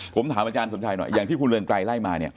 ผมถามอาจารย์สมชัยหน่อยอย่างที่คุณเรืองไกรไล่มาเนี่ย